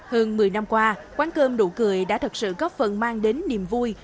hơn một mươi năm qua quán cơm nụ cười đã thật sự góp phần mang đến niềm vui